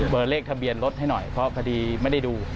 เลขทะเบียนรถให้หน่อยเพราะคดีไม่ได้ดู